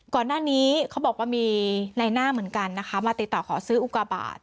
ก่อนหน้านี้เขาบอกว่ามีในหน้าเหมือนกันนะคะมาติดต่อขอซื้ออุกาบาท